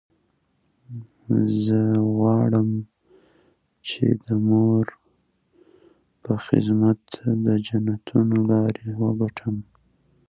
ژبارواپوهنه د ژبې او ذهن اړیکې څېړي